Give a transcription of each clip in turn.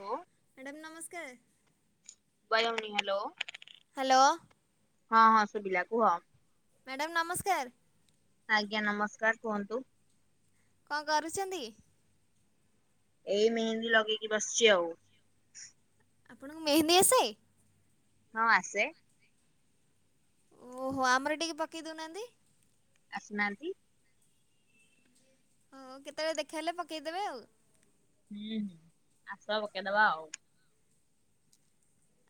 ହଁ। ମ୍ୟାଡ଼ାମ ନମସ୍କାର। ସୁବା ଯାଉନି ହାଲୋ। ହାଲୋ। ହଁ ହଁ ଶୁବିଲା କୁହ। ମ୍ୟାଡ଼ାମ ନମସ୍କାର। ଆଜ୍ଞା ନମସ୍କାର। କୁହନ୍ତୁ? କଣ କରୁଛନ୍ତି? ଏଇ ମେହେନ୍ଦୀ ଲଗେଇକି ବସିଛି ଆଉ। ଆପଣଙ୍କୁ ମେହେନ୍ଦୀ ଆସେ? ହଁ ଆସେ। ଓହୋ, ଆମର ଟିକେ ପକେଇ ଦଉନାହାନ୍ତି। ଆସୁନାହାନ୍ତି? ହ କେତେବେଳେ ଦେଖାହେଲେ ପକେଇଦେବେ ଆଉ। ହୁଁ ହୁଁ। ଆସ ପକେଇଦବା ଆଉ।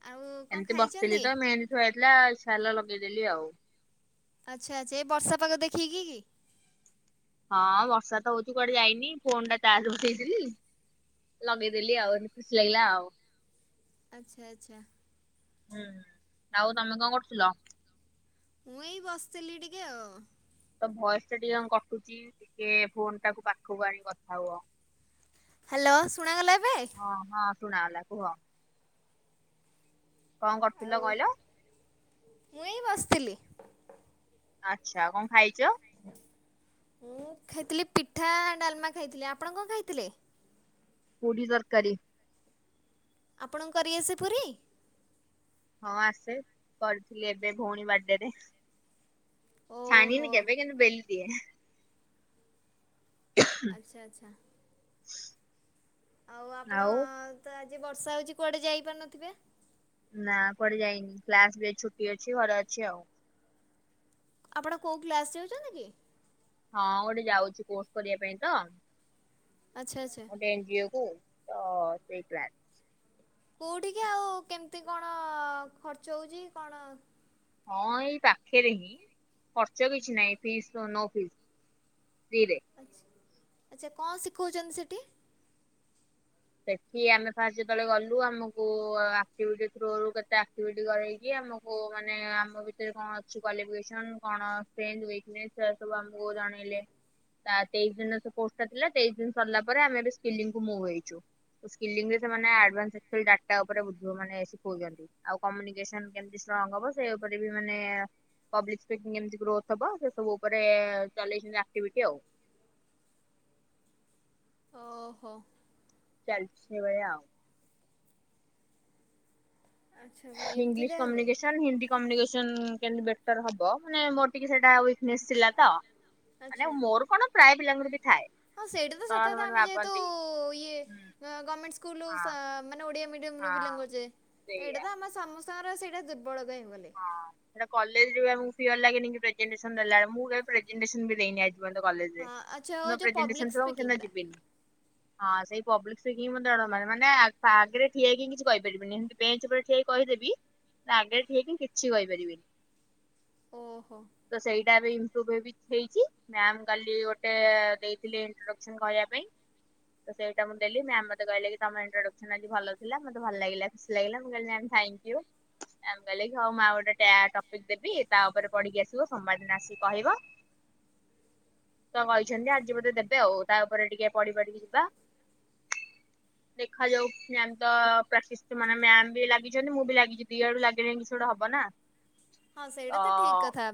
ଆଉ କଣ ଏମିତି ବସିଥିଲି ଖାଇଛନ୍ତି? ତ ମେହେନ୍ଦୀ ଥୁଆ ହେଇଥିଲା, ଇଚ୍ଛା ହେଲା ଲଗେଇଦେଲି ଆଉ। ଆଛା ଆଛା ଏ ବର୍ଷା ପାାଗ ଦେଖିକି କି ହଁ ବର୍ଷା ତ ହଉଚି କୁଆଡେ ଯାଇନି। ଫୋନ ଟା ଚାର୍ଜ ବସେଇଥିଲି। ଲଗେଇଦଲି ଆଉ, ଏମିତି ଖୁସି ଲାଗିଲା ଆଉ। ଆଚ୍ଛା ଆଚ୍ଛା। ହୁଁ ଆଉ ତମେ କଣ କରୁଥିଲ? ମୁଁ ଏଇ ବସିଥିଲି ଟିକେ ଆଉ। ତ ଭଏସ ଟା ଟିକେ କଣ କଟୁଛି। ଟିକେ ଫୋନ ଟାକୁ ପାଖକୁ ଆଣି କଥା ହୁଅ। ହ୍ୟାଲୋ ଶୁଣା ଗଲା ଏବେ? ହଁ ହଁ ଶୁଣାଗଲା କୁହ। କଣ ଆଉ କରୁଥିଲ କହିଲ? ମୁଁ ଏଇ ବସିଥିଲି। ଆଚ୍ଛା କଣ ଖାଇଛ? ମୁଁ ଖାଇଥିଲି ପିଠା ଡାଲମା ଖାଇଥିଲି। ଆପଣ କଣ ଖାଇଥିଲେ? ପୁରୀ ତରକାରୀ। ଆପଣଙ୍କୁ କରି ଆସେ ପୁରୀ? ହଁ ଆସେ, କରିଥିଲି ଏବେ ଭଉଣୀ ବାର୍ଡେରେ। ଓହୋ ଛାଣୀନି କେବେ କିନ୍ତୁ ବେଲିଦିଏ। ଆଚ୍ଛା ଆଚ୍ଛା। ହ। ଆଉ ଆପଣ, ତ-ଆଜି ବର୍ଷା ହଉଛି କୁଆଡେ ଯାଇପାରୁନଥିବେ? ନା କୁଆଡେ ଯାଇନି। କ୍ଲାସ ବି ଆଜି ଛୁଟି ଅଛି। ଘରେ ଅଛି ଆଉ। ଆପଣ କଉ କ୍ଲାସ ଯାଉଛନ୍ତି କି? ହଁ ଗୋଟେ ଯାଉଛି, କୋର୍ସ କରିବା ପାଇଁ ତ। ଆଚ୍ଛା ଆଚ୍ଛା। ଗୋଟେ ଏନ୍ ଜିଓ କୁ, ତ ସେଇ କ୍ଲାସ୍। କୋଉଠିକି? ଆଉ କେମିତି କଣ ଖର୍ଚ୍ଚ ହଉଛି? କଣ? ହଁ ଏଇ ପାଖରେ ହିଁ ଖର୍ଚ୍ଚ କିଛି ନାହିଁ ଫିସ୍ ନୋ ଫିସ୍। ଫ୍ରିରେ। ଆଚ୍ଛା ଆଚ୍ଛା କଣ ଶିଖଉଛନ୍ତି ସେଠି? ସେଠି ଆମେ ଫାଷ୍ଟ ଯେତେବେଳେ ଗଲୁ, ଆମକୁ ଆକ୍ଟିଭିଟି ଥ୍ରୋ ରୁ କେତେ ଆକ୍ଟିଭିଟି କରିକି ଆମକୁ ମାନେ ଆମ ଭିତରେ କଣ ଅଛି କ୍ୱାଲିଫିକେସନ, କଣ ପେଞ୍ଜ ୱେକ୍ନେସ ସେରା ସବୁ ଆମକୁ ଜଣେଇଲେ। ତା ତେଇଶି ଦିନ ସେ କୋର୍ସ ଥିଲା ତେଇଶି ଦିନ ସରିଲା ପରେ ଆମେ ଏବେ ସ୍କିଲିଙ୍ଗ କୁ ମୁହେଇଛୁ। ସ୍କିଲିଙ୍ଗ ରେ ସେମାନେ ଆଡଭାନ୍ସ ଖାଲି ଡାଟା ଉପରେ ଯୋଉ ମାନେ ଶିଖେଉଛନ୍ତି। ଆଉ କମ୍ୟୁନିକେସନ କେମିତି ଷ୍ଟ୍ରଙ୍ଗ ହବ, ସେ ଉପରେ ବି ମାନେ ପବ୍ଲିକ୍ ସ୍ପିକ କେମିତି ଗ୍ରୋଥ ହେବ। ସେ ସବୁ ଉପରେ ଚଲେଇଛନ୍ତି ଆକ୍ଟିଭିଟୀ ଆଉ। ଓହୋ। ଚାଲିଛି ସେଇଭଳିଆ ଆଉ। ଆଚ୍ଛା ଭାଇ ଏମିତି ଇଂଲିଶ ତାହେଲେ କମ୍ୟୁନିକେସନ, ହିନ୍ଦୀ କମ୍ୟୁନିକେସନ କେମିତି ବେଟର ହବ, ମାନେ ମୋର ଟିକେ ସେଇଟା ୱିକନେସ ଥିଲା ତ। ମାନେ ଆଚ୍ଛା। ମୋର କଣ ପ୍ରାୟ ପିଲାଙ୍କର ବି ଥାଏ। ହଁ ସେଇଟା ତ ସତ କଥା ସେମାନେ ଆମେ ଯେହେତୁ ଭାବନ୍ତି ଇଏ ହୁଁ ଗମେଣ୍ଟ ହଁ ସ୍କୁଲ- ମାନେ ଓଡିଆ ମିଡି ୟମ ରୁ ବିଲୋଙ୍ଗ ହଁ କରୁଛେ ସେଇଆ। ଏଇଟା ତ ଆମ ସମସ୍ତଙ୍କର ସେଇଟା ଦୂ ହଁ ସେଟା କଲେଜ ରୁ ଆମକୁ ପିଅର ଲାଗେନିକି ପ୍ରେଜେଟେନ୍ସନ୍ ଦେଲାବେଳେ ମୁଁ କେବେ ପ୍ରେଜେଟେନ୍ସନ୍ ବି ଦେଇନି ଆ ହୁଅନ୍ତା କଲେଜରେ ହଁ ଆଚ୍ଛା ହଉ ଯୋଉଦିନ ଯୋଉ ପବ୍ଲିକ୍ ପ୍ରେଜେଟେନ୍ସନ୍ ଥିବ ମୁଁ ସେଦିନ ସ୍ପିକିଂଟା ଯିବିନି ହଁ ସେଇ ପବ୍ଲିକ୍ସ ଦେଖିକି ମତେ ଡର ମାଡ଼େ ମାନେ ଆ ଆଗରେ ଠିଆ ହେଇ କିଛି କହିପାରିବିନି ବେଞ୍ଚ୍ ଉପରେ ଠିଆ ହେଇ କହି କହିଦେବି କା ଆଗରେ ଠିଆ ହେଇକି କିଛି କହିପାରିବେନି। ଓହୋ। ଏଟା ବି ଇମ୍ପ୍ରୋଭ୍ ଇ ହେଇଛି ମ୍ୟାମ୍ କାଲି ଗୋଟେ ଦେଇଥିଲେ ଇଣ୍ଟ୍ରଡକସନ କହିବା ପାଇଁ। ତ ସେଇଟା ମୁଁ ଦେଲି ମ୍ୟାମ୍ ମତେ କହିଲେ କି ତମ ଇଣ୍ଟ୍ରୋଡକ୍ସନ ଆଜି ଭଲ ଥିଲା ମତେ ଭଲ ଲାଗିଲା ଖୁସି ଲାଗିଲା ମୁଁ କହିଲି ମ୍ୟାମ୍ ଥାଙ୍କ୍ୟୋଉ ମ୍ୟାମ୍ କହିଲେ କି ହଉ ମୁଁ ଆଉ ଗୋଟେ ଟ୍ୟା ଟପିକ ଦେବି ତା ଉପରେ ପଢିକି ଆସିବ ସୋମବାର ଦିନ ଆସିକି କହିବ। ତ କହିଛନ୍ତି ଆଚ୍ଛା। ଆଜି ମୋତେ ଦେବେ ଆଉ ତା ଉପରେ ଟିକେ ପଢି ପାଢ଼ିକି ଯିବା। ଦେଖାଯାଉ ମ୍ୟାମ୍ ତ ପ୍ରାଟିଷ୍ଟି ମାନେ ମ୍ୟାମ ବି ଲାଗିଛନ୍ତି ମୁଁ ବି ଲାଗିଛି ଦି ଆଡୁ ଲାଗହି କିଛି ଗୋଟେ ହବ ନା। ହଁ ସେଇଟା ତ ଠିକ୍ କଥା।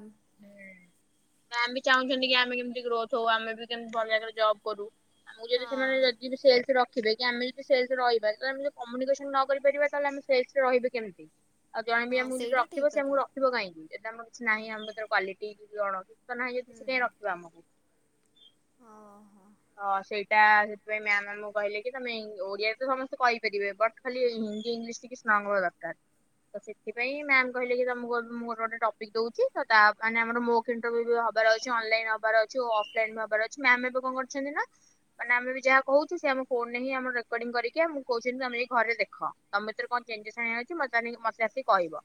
ମ୍ୟାମ ବି ଚାହୁଁଛନ୍ତି କି ଆମେ କେମତି ଗ୍ରୋଥ୍ ହଉ ଆମେ ବି କେମତି ଭଲରେ ଜବ୍ କରୁ। ଆମକୁ ଯଦି ହଁ ସେମାନେ ଯଦିବି ସେଲ୍ଶ ରଖି ଖିବେ କି ଆମେ ଯଦି ସେଲ୍ସରେ ରହିବା ଯଦି ଆମେ କମ୍ୟୁନିକେସନ ନ କରିପାରିବା ତାହେଲେ ଆମେ ସେଲସରେ ରହିବେ କେମିତି? ଆଉ ଜଣେ ବି ହଁ ଆମକୁ ଯଦି ସେଇଟା ରଖିବ ଠିକ୍ ସେ କଥା ଆମକୁ ରଖିବ କାହିଁକି ଏ ଟା ଆମର କିଛିନାହିଁ ଆମ ଭିତରେ କ୍ୱାଲିଟୀ କି କଣ କି ତ ନାହିଁ ଯଦି ସେ ହୁଁ କାହିଁ ରଖିବ ଆମକୁ ଓହୋ ହ ସେଇଠି ସେଥିପାଇଁ ମ୍ୟାମ ଆମକୁ କହିଲେ କି ତମେ ଇଂ ଓଡିଆରେ ତ ସମସ୍ତେ କହିପାରିବେ ବଟ୍ ଖାଲି ହିନ୍ଦୀ ଇଂଲିଶ ଟିକେ ସ୍ନା ହଙ୍ଗ୍ ହବା ଦରକାର ତ ସେ। ସେଥିପାଇଁ ମ୍ୟାମ କହିଲେ କି ତମକୁ ମୁଁ ଗୋଟେ ଟପିକ ଦଉଛି ତ ତା ମାନେ ଆମର ମୌଖିକ ଇଣ୍ଟରଭିୟୁ ହବାର ଅଛି ଅନ୍ ଅନଲାଇନ ହବାର ଅଛି ଓ ଅଫଲାଇନ ହବାର ଅଛି ମ୍ୟାମ ଏବେ କଣ କରଛନ୍ତି ନା ମାନେ ଆମେ ବି ଯାହା କହୁଛୁ ସେ ଆମ ଫୋନ୍ ରେ ହିଁ ହିଁ ଆମ ରେକଡ଼ିଂ କରିକି ଆମକୁ କହୁଛନ୍ତି ତମେ ଯାଇକି ଘରେ ଦେଖ ତମ ଭିତରେ କଣ ଚେଞ୍ଜସ୍ ଆସିଛି ମତେ ଆଣିକି ମତେ ଆସି କହିବ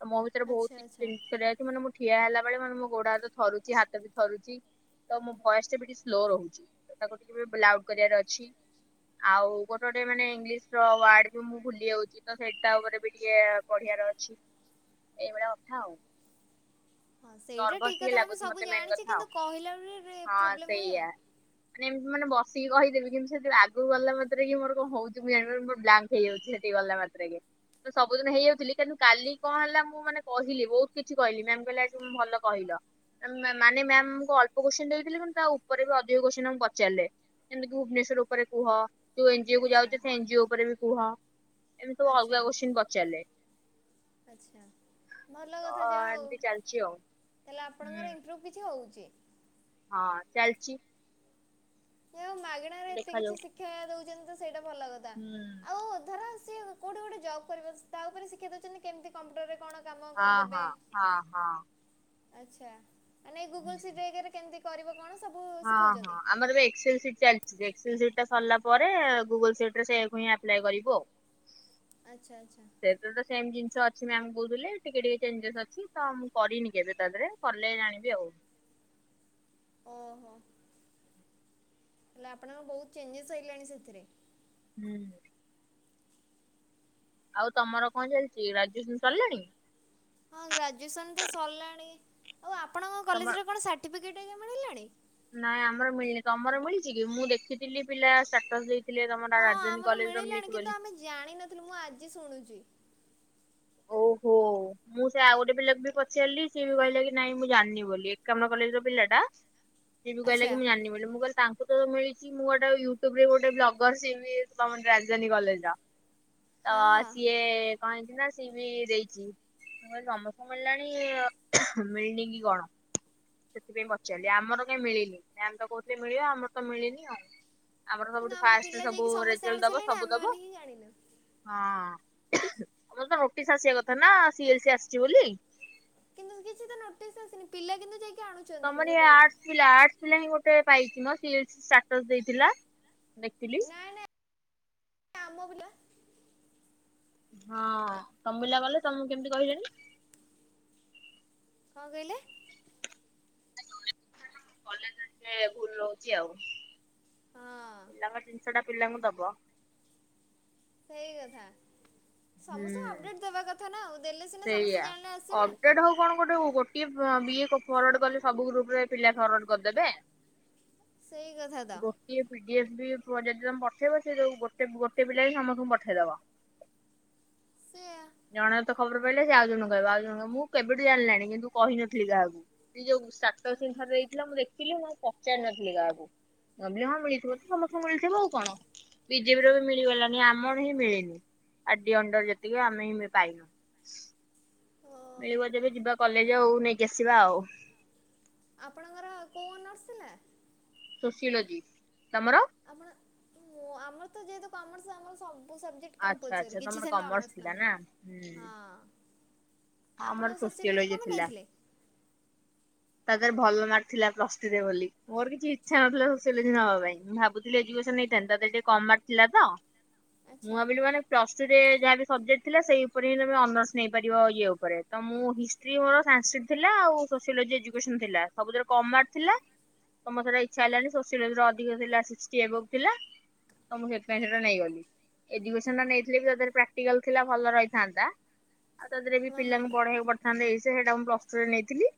ତ ମୋ ଭିତରେ ଆଚ୍ଛା ବହୁତ କିଛି ଆଚ୍ଛା ଫିନିଶ କରିବାର ଅଛି ମାନେ ମୁଁ ଠିଆ ହେଲା ବେଳେ ମାନେ ମୋ ଗୋଡ ହାତ ଥରୁଛି ହାତ ବି ଥରୁଛି। ତ ମୋ ଭଏସ୍ ଟା ବି ଟିକେ ସ୍ଲୋ ରହୁଛି ତ ତାକୁ ଟିକେ ଲାଉଡ୍ କରିବାର ଅଛି। ଆଉ ଗୋଟେ ଗୋଟେ ମାନେ ଇଂଲିଶ୍ ର ୱାର୍ଡ ବି ମୁଁ ଭୁଲି ଯାଉଛି ତ ସେଇଟା ଉପରେ ବି ଟିକେ ପଢ଼ିବାର ଅଛି ଏହିଭଳିଆ କଥା ଆଉ ହଁ ସେଇଟା ନର୍ଭସ୍ ଠିକ୍ ଟିକେ କଥା ଆମେ ଲାଗୁଛି ସବୁ ମତେ ମେନ୍ ଜାଣିଛେ କଥା କିନ୍ତୁ ଆଉ କହିଲା ବେଳେ ହଁ ପ୍ରୋବ୍ଲେମ୍ ହୁଏ ଆଉ ସେଇଆ [inaudible] ମାନେ ବସିକି କହିଦେବି କିନ୍ତୁ ସେଠ ଆଗ ଗ ମାତ୍ରରେ କି ମୋର କଣ ହଉଛି ମୁଁ ଜାିବ ମୋର ବ୍ଲାଙ୍କ୍ ହେଇଯାଉଛି ସେଠି ଗଲା ମାନେ। ସବୁଦିନ ହେଇଯାଉ। କିନ୍ତୁ କାଲି କଣ ହେଲା ମୁଁ ମାନେ କହିଲି ବହୁତ କିଛି କହିଲି ମ କହିଲା ଆ ଭଲ କହିଲ। ମାନେ ମ୍ୟାମମକୁ ଅଳ୍ପ କୋଶ୍ଚିନ ଦେଇଥିଲେ କିନ୍ତୁ ତା ଉପରେ ବି ଅଧିକ କୋଶ୍ଚନ ଆକୁ ପଚାରିଲେ। ଯେମିତିକ ଭୁବନେଶ୍ଵର ଉପରେ କୁହ ଯୋଉ ଏନଜିଓ କୁ ଆଚ୍ଛା ଯାଉଛ ସେ ଏଜିଓ ଉପରେ ବି କୁହ। ଏମି ତ ଅସିନ ପଚାରିଲେ। ଆଛା ଭଲ ତ କଥା ଯାହା ହଉ। ଏମିତି ଚାଲିଛି ଆଉ ତାଲେ ହୁଁ। ଆପଣଙ୍କର ଇମ୍ପ୍ରୁଭ କିଛି ହଉଛି। ହଁ ଚାଲଛି। ମାଗଣାରେ ଏତେ କିଛି ଶିକ୍ା ଦଉଛନ୍ତି ତ ସେଇଟା ଭଲ କଥା ହୁଁ ଆଉ ଧର। ସେ କୋଉଠି ଗୋଟେ ଜବ୍ କରିବ ତା ଉପରେ ଶିକ୍ଷା ଦଉଛନ୍ତି କେମିତି କମ୍ପ୍ୟୁଟର ରେ କଣ। କାମ ହଁ ହଁ ହଁ ହଁ। ଆଛା ଗୁଗଲ ସି ବି ଏ କ୍ ରେ କେମତି କରିବ। କଣ ସବୁ ହଁ ଶିଖଉଛନ୍ତି? ହଁ ଆମର ଏବେ ଏକ୍ସଲ। ଚାଲିଛିା ସରିଲା ପରେ ଗୁଗୁଲ ସିଟ ରେ ସେ ହିଁ ଆପ୍ଲାଏ କରିବୁ ଆଉ। ଆଚ୍ଛା ଆଚ୍ଛା। ସେତ ତ ସେମ୍ ଜିନି ଛ ଅଛି ମ୍ୟାାମ କହୁଥିଲେ ଟିକେ ଟିକେ ଚେଞ୍ଜେସ୍ ଅଛି ତ ମୁଁ କରିନି କେବେ ତା ଦେହରେ କଲେ ଜାଣିବି ଆଉ। [unintelligible] ଓହୋ ହେଲେ ଆପଣଙ୍କ ବହୁତ ଚେଞ୍ଜେସ ସଇିଲାଣି ସେଥିରେ। ହୁଁ। ଆଉ ତମର କଣ ଚାଲିଛି ରାଜୁନ ସରିଲାଣି। ହଁ ଗ୍ରାଜୁଏସନ ତ ସରିଲାଣି ଆଉ ଆପଣଙ୍କ ତମର କଲେଜରେ କଣ ସାର୍ଟିଫିକେଟ ଆଜଞା ମିଳିଲାଣି। ନାଇଁ ଆମର ମିଳିନି ତମର ମିଳିଛି କି ମୁଁ ଦେଖିଥିଲି ପିଲାଟ ଦେଇ। ଥିଲେ ତମର ହଁ ରାଜଧାନୀ ଆମର କଲେଜ ର ମିଳିଲାଣି ମିଳିଛି କିନ୍ତୁ ବୋଲି। ଆମେ ଜାଣିନଥିଲୁ ମୁଁ ଆଜି ଶୁଣୁଛି। ଓହୋ [unintelligible] ମୁଁ ସେ ଆଉ ଗୋଟେ ପିଲାକୁ ବି ପଚାରିଲି ସିଏ ବି କହିଲା କି ନାଇଁ ମୁଁ ଜାଣିନି ବୋଲି ଏକ ଆମର କଲେଜ ର ପିଲା ଟା। ସେ ବି କହିଲା ଆଚ୍ଛା କି ମୁ ଜାନିନି ବୋଲି ମୁଲ ତାଙ୍କଙ୍କୁ। ମିଳିଛି ମୁଁ ଗୋଟେ ୟୁଟୁବରେ ଗୋଟେ ବ୍ଲଗରି ରାଜଧାନୀ କଲେଜ। ତ ହଁ ହଁ। ସିଏ କଣନ୍ତି ନା। ବି ଦେଇଛି କ ସମସ୍ତେ ମିଳିଲାଣି ମିଳନି କି କଣ? ସେଥିପାଇଁ ପଚାରିଲି ଆମର କାଇହିଁ ମିଳିନି ନାଇ ଆମେ ତ କହୁଥିଲେ ମିଳିବ ଆମର ତ ମିଳିନି ଆଉ। ଆମର କିନ୍ତୁ ସବୁଠ ଆମ ଫାଷ୍ଟ ପିଲା ଯାଇକି ସମସ୍ତେ ସବୁରେଲ ଦବ ଆଣିସାରିଲେଣି ସବୁ ଦବ ଆମେମାନେ ହିଁ ଜାଣିନୁ। ହଁ। ଆମର ତ ନୋଟିସ୍ ଆସିବା କଥା ନା ସିଏଲ ସ ଆସିଛି ବୋଲି। କିନ୍ତୁ କିଛି ତ ନୋଟିସ୍ ଆସିନି ପିଲା କିନ୍ତୁ ଯାଇକି। ଆଣୁଛନ୍ତି ତମର ଗୋଟେ ଗୋଟେ। ପା ପା ହିଁ ଗୋଟେ ପାଇା ଦେଇଥିଲା। ନକଲି। ନାଇଁ ନାଇଁ ଆମ ପିଲା। ହଁ ତବିଲା ବଲେ ତମକୁ କେମିତି କହିଲ। କଣ କହିଲେ। [unintelligible] [unintelligible] କଲେଜିକେ ଭୁଲ ରହୁଛି ଆଉ। ହଁ। ପିଲାଙ୍କ ଜିନିଷ ଟା ପିଲାଙ୍କୁ ଦବ। ସେଇ କଥା। ସମସ୍ତଙ୍କୁ ହୁଁ ଅପଡେଟ ଦେବା କଥା ନା ଦେଲେ ସିନା ସମସ୍ତେ ସେଇଆ। ଜାଣିଲେ ଆସିବେ। ଟ ବିଏ ଫରୱାର୍ଡ କଲେ ସବୁ ଗ୍ରୁପରେ ପିଲା ଫରୱାର୍ଡ କରିଦେବେ। ସେଇ କଥା ତ ଗୋଟି ପିଡିଆ। ବି ଯଦି ତମେ ପଠେଇବ ସେୁ ଗୋଟେ ଗୋଟେ ପିଲା ବି ସମସ୍ତଙ୍କୁ ପଠେଇଦବା। ସେଆ ଜଣ ତ। ଖବର ପାଇଲେ ସେ ଆଉ ଜଣ କହିବ ଆଉ ଜଣ କହିବ ମୁଁ କେବେଠୁ ଜାଣିଲାଣି କିନ୍ତୁ କହିନଥିଲି କାହାକୁ ଯୋଉ ସାତ। ରେ ଦେଇଥିଲା ମୁଁ ଦେଖିଲି ମୁଁ ପଚାରି ନଥିଲି ଗାହାକୁ ଗିଲି ହଁ ମିଳିଥିବ ତ ସମସ୍ତଙ୍କୁ ମିଳିଥିବ ଆଉ। କଣ ବିଜେପି ର ବି ମିଳିଗଲଣିି ଆମର ହିଁ ମିଳିନି। ଆ ଡି ଅଣ୍ଡର ଯେତିକି ଆମେ ପାଇନୁ ଓହୋ ମିଳିବ ଯେବେ ଯିବା କଲେଜ ଆଉ ନେଇକି ଆସିବା ଆଉ। ଆପଣଙ୍କର କୋଉ ନର୍ସ ଥିଲା? ଶୀଳ ତମର [unintelligible] ଆମର ମୁଁ ଆମର ତ ଯେହେତୁ କମର୍ସ ଆମର ସବୁ ଏ ସବଜେକ୍ଟ ଆଚ୍ଛା କମ୍ପଲସରି ଆଚ୍ଛା କିଛି ତମର ସେମିତି କମର୍ସ ଅନର୍ସ ଥିଲା ନଥାଏ ନା ହୁଁ। ହଁ ହଁ ଆମର ଆପଣ ସୋସିଓଲୋଜି ସୋସିଆଳଜ କଣ ପାଇଁ ଥିଲା। ନେଇଥିଲେ? ତାଥରେ ଭଲ ମାର୍କ ଥିଲା ପ୍ଲସ ଟୁ ରେ ବୋଲି ମୋର କିଛି ଇଚ୍ଛା ନଥିଲା ସୋସିଆଲଇ ନବା ପାଇଁ ମୁଁ ଭାବୁଥିଲି ନେଇଥାନ୍ତତା ଟିକେ କମ ମାର୍କ ଥିଲା ତ ମୁଁ ଆଚ୍ଛା ଭାବିଲି ମାନେ ପ୍ଲସ ଟୁ ରେ ଯାହା ବି ସବଜେକ୍ଟ ଥିଲା ସେଇ ଉପରେ ହିଁ ତମେ ଅନର୍ସ ନେଇପାରିବ ଇଏ ଉପ ତ ମୁଁ ହିଷ୍ଟ୍ରି ମୋର ସାସ୍କ୍ରିଟ ଥିଲା ଆଉ ସୋଲୋ ଏୁକସନ ଥିଲା ସବୁଥିରେ କମ ମାର୍କ ଥିଲା। ତମ ଥର ଇଚ୍ଛା ହେଲାନି ସୋସିଆଲଜର ଅଧିକ ଥିଲା ସୀଷ୍ଟି ଏଭବ ଥିଲା। ତ ମୁଁ ସେଥିପାଇଁ ସେଟା ନେଇଗଲି। ଏଜୁକେସନ ଟା ନେଇଥିଲେ ବି ତାହାଥରେ ପ୍ରାକ୍ଟିକାଲ ଥିଲା ଭଲ ରହିଥାନ୍ତା ଆଉ ତାଥରେ ହଁ ହଁ ପିଲାଙ୍କୁ ପଢେଇବାକୁ ପଡିଥାନ୍ତା ଏଇଯେ ସେଇଟା ମୁଁ ପ୍ଲସ ଟୁ ରେ ନେଇଥିଲି।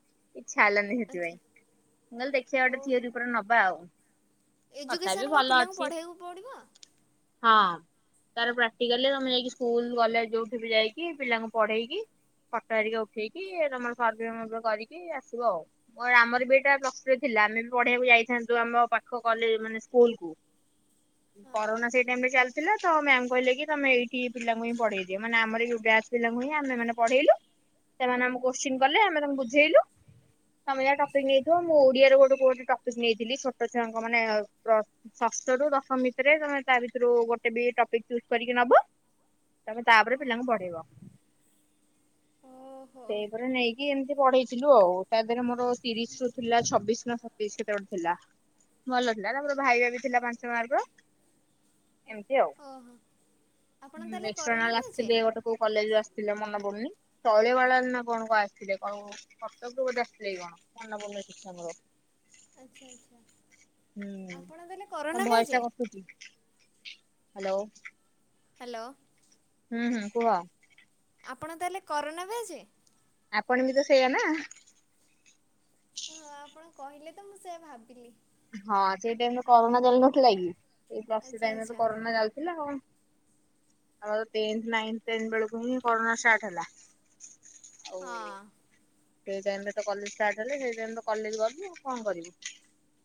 ଛାଡ଼ିଲନି ସେଥିପାଇଁ ଆଚ୍ଛା କହିଲେ ଦେଖିବା ଗୋଟେ ଓହୋ ଥିଓରି ପୁରା ନବା ଆଉ କଥା ବିି ଏଜୁକେସନ୍ କଣ ଭଲ ପିଲାଙ୍କୁ ଅଛି ପଢ଼େଇବାକୁ ପଡ଼ିବ? ହଁ ତାର ପ୍ରାକ୍ଟିକାଲରେ ତମେ ଯାଇକି ସ୍କୁଲ କଲେଜ ଯୋଉଠି ବି ଯାଇକି ପିଲାଙ୍କୁ ପଢେଇକି ଫଟ ହାରିକା ଉଠେଇକି ଏ ତମର ସର୍ଭେ ମର୍ଭେ କରିକି ଆସିବ ଆଉ ଓଏ ଆମର ବି ଏଇଟା ପଲ୍ସ ଥ୍ରୀ ଥିଲା ଆମେ ବି ପଢ଼େଇବାକୁ ଯାଇଥାନ୍ତୁ ଆମ ପାଖ କଲେ ମାନେ ସ୍କୁଲ କୁ। ହଁ କରୋନା ସେଇ ଟାଇମ ରେ ଚାଲିଥିଲା ତ ମ୍ୟାମ କହିଲେ କି ତମେ ଏଇଠି ପିଲାଙ୍କୁ ହିଁ ପଢେଇଦିଅ ମାନେ ଆମରି ଯୋଉ ବ୍ୟା ବ୍ୟାଚ୍ ପିଲାଙ୍କୁ ହିଁ ଆମେ ମାନେ ପଢେଇଲୁ ସେମାନେ ଆମକୁ କୋସ୍ଚିନ୍‌ କଲେ ଆମେ ତାଙ୍କୁ ବୁଝେଇଲୁ। ତମେ ଯାହା ଟପିକ୍ ଆଚ୍ଛା ନେଇଥିବ ମୁଁ ଓଡିଆର କୋଉଠୁ ମୁଁ ଗୋଟେ ଟପିକ୍ ନେଇଥିଲି ଛୋଟୋ ଛୁଆଙ୍କ ମାନେ ପ୍ର ଷଷ୍ଠର ରୁ ଦଶମ ଭିତରେ ତମେ ତା ଭିତରୁ ଗୋ ଗୋଟେ ବି ଟପିକ ଚୂଜ୍ କରିକି ନବ। [inaudible] ତମେ ତାପରେ ହଁ ପିଲାଙ୍କୁ ପଢେଇବ। ଓହୋ ସେପରା ନେଇକି ଏମିତି ପଢେଇ ଥିଲୁ ଆଉ ତା ଦେହରେ ମୋର ତିରିଶ ରୁ ଥିଲା ଛବିଶ ନା ସତେଇଶ୍ କେତେ ଗୋଟେ ଥିଲା। ଭଲ ଥିଲା ତାମର ଭାଇବା ବି ଥିଲା ପାଞ୍ଚ ମାର୍କ। ଏମିତି ହୁଁ ଓହୋ ଆପଣ ତାହେଲେ କରୋନା ଏକ୍ସଟର୍ନାଲ ବ୍ୟାଚ୍? ଆସିଥିଲେ ଗୋଟେ କୋଉ କଲେଜରୁ ଆସିଥିଲେ ମନ ପଡୁନି ଶୈଳବାଳା ରେ ନା କଣ କଁ ଆସିଥିଲେ କଣ କର୍ତ୍ତବ୍ୟ ବୋଧେ ଆସିଥିଲେ କି କଣ ମନ ପଡୁନି ଠିକ୍ ସେ ମୋର ଆଚ୍ଛା ଆଚ୍ଛା। [unintelligible] ହୁଁ ଆପଣ ତାହେଲେ ତମ କରୋନା ଭଏସ୍ ବ୍ୟାଚ୍? ଟା କଟୁଚି। Hello hello. ଉଁହୁଁ କୁହ। ଆପଣ ତାହେଲେ କରୋନା ବ୍ୟାଚ୍। ଆପଣ ବି ତ ସେଇଆ ନାଁ। ହଁ ଆପଣ କହିଲେ ତ ମୁଁ ସେୟା ଭାବିଲି। ହଁ ସେଇ ଟାଇମରେ କରୋନା ଚାଲିନଥିଲା କି ସେଇ କ୍ଲାସି ଆଚ୍ଛା ଟାଇମ୍ ରେ ତ ଆଚ୍ଛା କରୋନା ଯାଉଥିଲା ଆଉ। ଆମର ଟେନ୍ଥେ ନାଇନ ଟେନ୍‌ ବେଳୁକୁ ହିଁ କରୋନା ଷ୍ଟାର୍ଟ ହେଲା। ଆଉ ହଁ। ସେଇ ଟାଇମ ରେ ତ କଲେଜ ଷ୍ଟାର୍ଟ ହେଲେ ସେଇ ଟାଇମ ତ କଲେଜ ଗଲୁ କଁ କରିବୁ।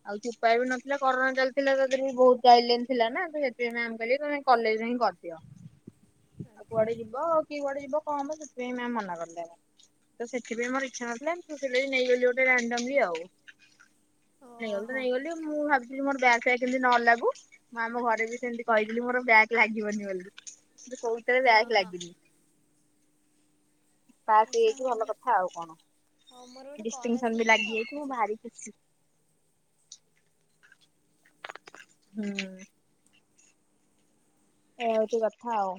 ଆଉ କିଛି ଉପାୟ ବି ନଥିଲା କରୋନା ଚାଲିଥିଲା ତା ଦେହେରେ ବି ବୋହୁତ ଗାଇଡଲାଇନ ଥିଲା ନା ତ ହେଥି ମ୍ୟାମ୍ କହିଲେ କି ତମେ କଲେଜ ହିଁ କରିଦିଅ। ଆଉ ଆଚ୍ଛା। କୁଆଡେ ଯିବ କିଏ କୁଆଡେ ଯିବ କଁ ହବ ସେଥିପାଇଁ ମ୍ୟାମ ମନା କରିଦେଲେ ତ ସେ ସେଥିପାଇଁ ମୋରୋ ଇଚ୍ଛା ନଥିଲା [unintelligible] ନେଇଗଲି ଗୋଟେ ରାଣ୍ଡମଲ୍ଲୀ ଆଉ। ନେଇଗଲି ତ ଓହୋ। ନେଇଗଲି ମୁଁ ଭାବି ଥିଲି ମୋରୋ ବ୍ୟାକ୍ ଫ୍ୟାକ୍ ଯେମିତି ନ ଲାଗୁ ମୁଁ ଆମ ଘରେ ବି ସେମିତି କହିଥିଲି ମୋର ବ୍ୟାକ୍ ଲାଗିବନି ବୋଲି। ମୋରୋ କୋଉଟାରେ ବ୍ୟାକ୍ ଓହୋ ଲାଗିନି। ପାସ୍ ଆଚ୍ଛା ହେଇଯାଇଚି ଭଲ ହଉ କ ଥା ଆଉ କଣ ହଉ ମୋର ଗୋଟେ କଲ୍ ଡିଷ୍ଟିନେଶନ ବି ଆସିଲାଣି ଲାଗିଯାଇଚି ମୁଁ ରଖୁଛି। ଭାରି ଖୁସି। ହୁଁ। ଏୟା ହୋଉଚି କଥା ଆଉ।